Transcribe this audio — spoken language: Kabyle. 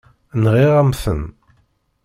Nɣiɣ-am-ten.